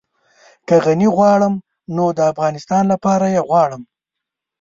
که غني غواړم نو د افغانستان لپاره يې غواړم.